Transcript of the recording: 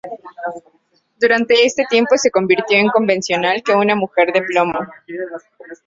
Durante este tiempo se convirtió en convencional que una mujer de plomo.